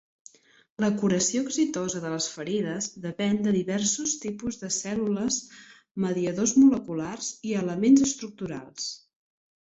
La curació exitosa de les ferides depèn de diversos tipus de cèl·lules, mediadors moleculars i elements estructurals.